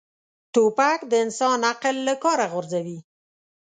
توپک د انسان عقل له کاره غورځوي.